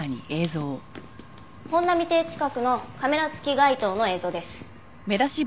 本並邸近くのカメラ付き街灯の映像です。